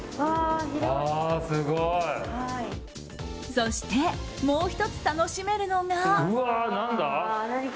そしてもう１つ楽しめるのが。